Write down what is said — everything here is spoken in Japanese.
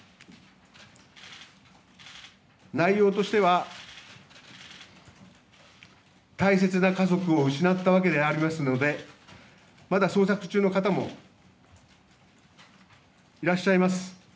内容としては大切な家族を失ったわけでありますので、まだ捜索中の方もいらっしゃいます。